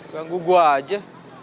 ganggu gue aja